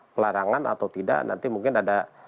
pelarangan atau tidak nanti mungkin ada